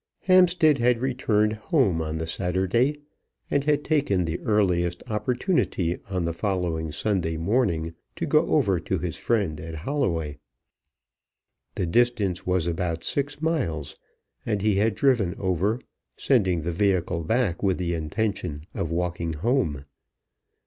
Hampstead had returned home on the Saturday, and had taken the earliest opportunity on the following Sunday morning to go over to his friend at Holloway. The distance was about six miles, and he had driven over, sending the vehicle back with the intention of walking home.